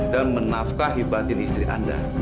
dan menafkah hibatin istri anda